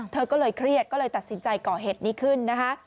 เธอก็เลยเครียดก็เลยตัดสินใจก่อเหตุนี้ขึ้นนะคะ